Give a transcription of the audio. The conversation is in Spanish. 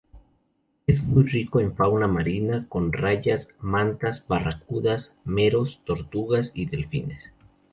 Es muy rico en fauna marina, con rayas, mantas, barracudas, meros, tortugas y delfines.